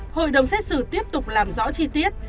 hội đồng xét xử tiếp tục làm rõ chi tiết